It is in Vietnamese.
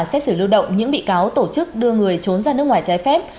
xét xử lưu động những bị cáo tổ chức đưa người trốn ra nước ngoài trái phép